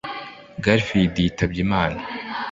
Garfield yitabye Imana